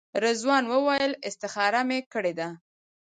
رضوان وویل استخاره مې کړې ده.